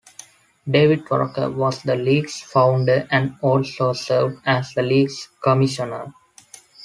David Waronker was the league's founder and also served as the league's commissioner.